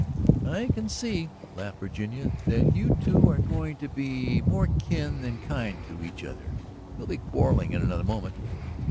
"I can see," laughed Virginia, "that you two are going to be more kin than kind to each other; you'll be quarrelling in another moment."